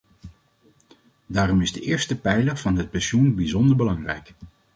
Daarom is de eerste pijler van het pensioen bijzonder belangrijk.